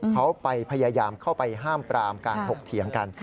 เขาไปพยายามเข้าไปห้ามปรามการถกเถียงกัน